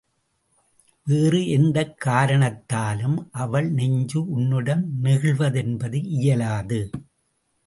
வேறு எந்தக் காரணத்தாலும், அவள் நெஞ்சு உன்னிடம் நெகிழ்வதென்பது இயலாது.